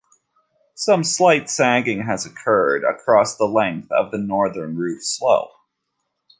Some slight sagging has occurred across the length of the northern roof slope.